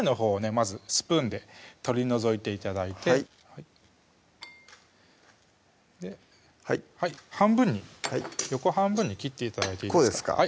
まずスプーンで取り除いて頂いてで半分に横半分に切って頂いていいですかこうですか？